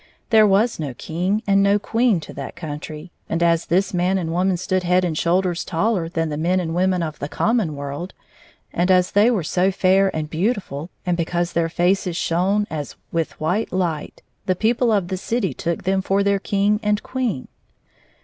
There was no king and no queen to that country, and as this man and woman stood head and shoulders taller than the men and wo men of the common world, and as they were so 122 fair and beautiful, and because their faces shone as with white Hght, the people of the city took them for their king and queen.